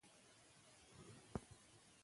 مثبت فکر وکړئ.